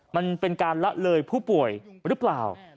มันเป็นการละเลยผู้ป่วยหรือเปล่า